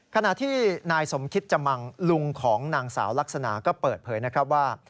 ขณะที่นายสมคิตจมังลุงของนางสาวลักษณะก็เปิดเผยนะครับว่า